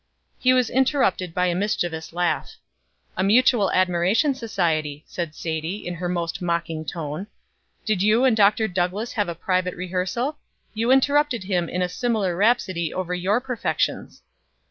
He was interrupted by a mischievous laugh. "A mutual admiration society," said Sadie, in her most mocking tone. "Did you and Dr. Douglass have a private rehearsal? You interrupted him in a similar rhapsody over your perfections."